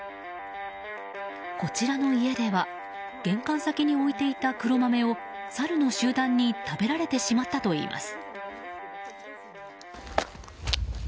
こちらの家では玄関先に置いていた黒豆をサルの集団に食べられてしまったといいます。